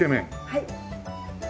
はい。